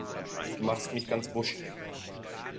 Du machst mich ganz wuschig.